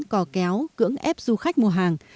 cò kéo cưỡng ép du khách mua hàng